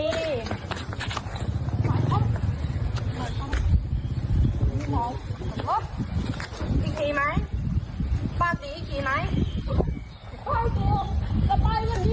อีกทีไหมป้าตีอีกทีไหม